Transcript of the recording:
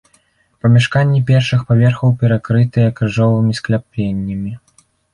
Памяшканні першых паверхаў перакрытыя крыжовымі скляпеннямі.